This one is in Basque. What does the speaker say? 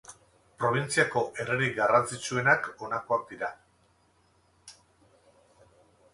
Probintziako herririk garrantzitsuenak honakoak dira.